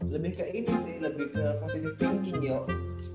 lebih ke ini sih lebih ke positive thinking yuk